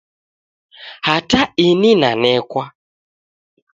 Hata ini nanekwa